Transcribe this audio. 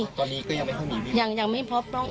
ตอนนี้ก็ยังไม่พอมีบิน